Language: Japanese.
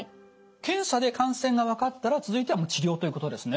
検査で感染が分かったら続いてはもう治療ということですね？